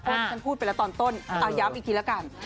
เพราะฉันพูดไปแล้วตอนต้นเอาย้ำอีกทีละกัน